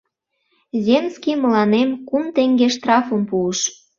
— Земский мыланем кум теҥге штрафым пуыш.